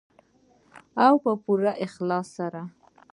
او په پوره اخلاص سره.